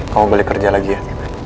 kamu balik kerja lagi ya